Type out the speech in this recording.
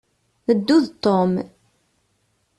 Ddu d Tom.